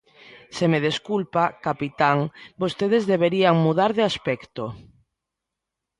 Se me desculpa, capitán, vostedes deberían mudar de aspecto.